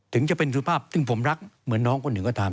ถึงจะเป็นสุภาพซึ่งผมรักเหมือนน้องคนหนึ่งก็ตาม